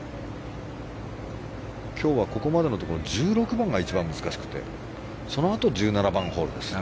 今日はここまでのところ１６番が一番難しくて、そのあと１７番ホールです。